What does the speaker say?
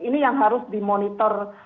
ini yang harus dimonitor